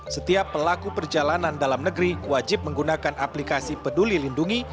setiap pelaku perjalanan dalam negeri wajib menggunakan aplikasi peduli lindungi